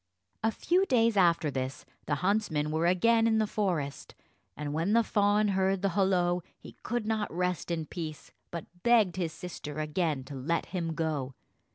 A few days after this, the huntsmen were again in the forest; and when the fawn heard the holloa, he could not rest in peace, but begged his sister again to let him go.